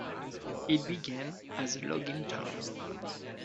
It began as a logging town.